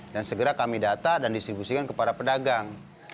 dan segera kami data dan distribusikan kepada pedagang